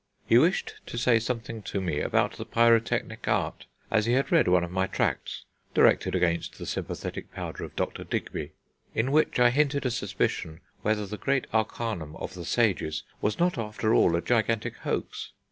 He wished to say something to me about the Pyrotechnic Art, as he had read one of my tracts (directed against the Sympathetic Powder of Dr Digby), in which I hinted a suspicion whether the Grand Arcanum of the Sages was not after all a gigantic hoax.